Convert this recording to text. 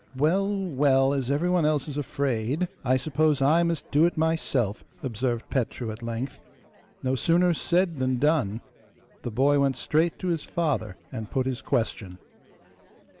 'Well, well, as everyone else is afraid, I suppose I must do it myself,' observed Petru at length. No sooner said than done; the boy went straight to his father and put his question.